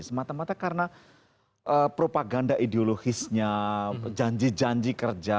semata mata karena propaganda ideologisnya janji janji kerja